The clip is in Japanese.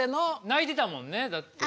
泣いてたもんねだって。